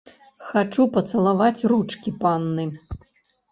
Хачу пацалаваць ручкі панны.